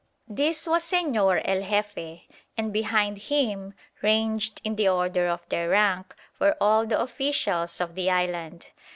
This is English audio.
This was Señor El Jefe, and behind him, ranged in the order of their rank, were all the officials of the island.